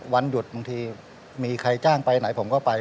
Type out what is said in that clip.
วันหยุดบางทีมีใครจ้างไปไหนผมก็ไป